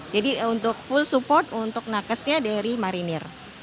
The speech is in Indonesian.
jadi untuk full support untuk nakesnya dari marinir